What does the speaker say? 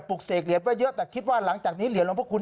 เสกเหรียญไว้เยอะแต่คิดว่าหลังจากนี้เหรียญหลวงพระคุณ